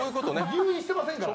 入院してませんから。